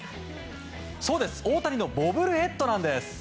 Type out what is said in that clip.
そうです大谷のボブルヘッドなんです。